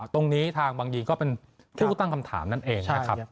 ตรงนี้ทางบางยีนก็เป็นผู้ตั้งคำถามนั่นเองนะครับ